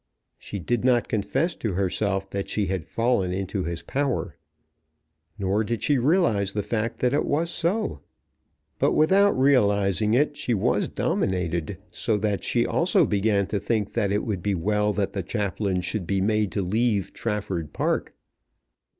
She did not confess to herself that she had fallen into his power; nor did she realize the fact that it was so; but without realizing it she was dominated, so that she also began to think that it would be well that the chaplain should be made to leave Trafford Park.